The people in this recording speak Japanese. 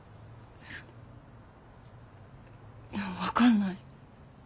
いや分かんない。